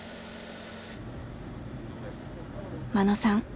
眞野さん